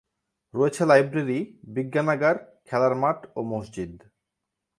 রয়েছে লাইব্রেরি, বিজ্ঞানাগার, খেলার মাঠ ও মসজিদ।